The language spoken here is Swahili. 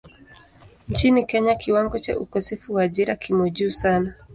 Nchini Kenya kiwango cha ukosefu wa ajira kimo juu sana.